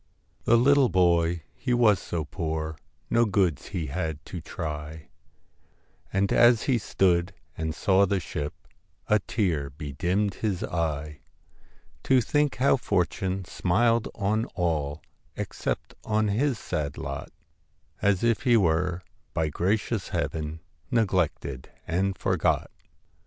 The little boy he was so poor, No goods had he to try, And as he stood and saw the ship, A tear bedimmed his eye, To think how fortune smiled on all Except on his sad lot As if he were by gracious Heaven Neglected and forgot!